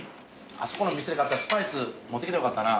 あそこの店で買ったスパイス持ってきたらよかったな。